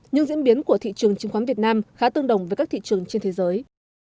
nhưng diễn biến của thị trường chứng khoán việt nam khá tương đồng với các thị trường trên thế giới